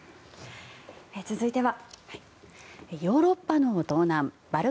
続いては。